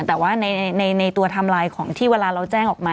แต่ว่าในตัวไทม์ไลน์ของที่เวลาเราแจ้งออกมา